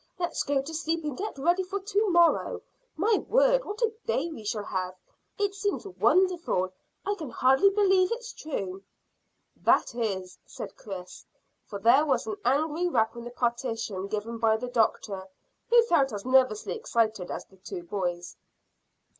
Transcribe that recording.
Let's go to sleep and get ready for to morrow. My word, what a day we shall have! It seems wonderful. I can hardly believe it's true." "That is," said Chris, for there was an angry rap on the partition, given by the doctor, who felt as nervously excited as the two boys.